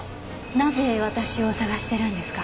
なぜ私を捜してるんですか？